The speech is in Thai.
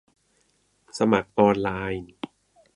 สมัครออนไลน์